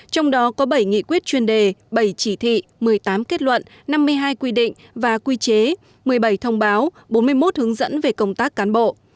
trong đó có bảy nghị quyết chuyên đề bảy chỉ thị một mươi tám kết luận năm mươi hai quy định và quy chế một mươi bảy thông báo bốn mươi một hướng dẫn về công tác cán bộ